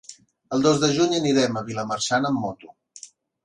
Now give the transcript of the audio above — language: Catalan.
El dos de juny anirem a Vilamarxant amb moto.